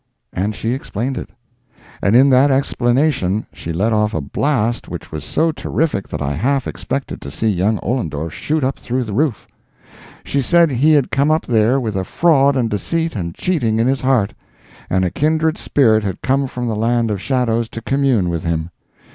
And she explained. And in that explanation she let off a blast which was so terrific that I half expected to see young Ollendorf shoot up through the roof. She said he had come up there with fraud and deceit and cheating in his heart, and a kindred spirit had come from the land of shadows to commune with him!